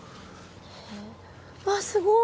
わっすごい。